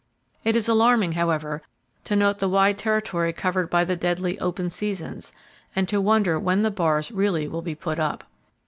It is alarming, however, to note the wide territory covered by the deadly "open seasons," and to wonder when the bars really will be put up.